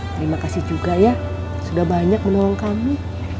terima kasih juga ya sudah banyak menolong kami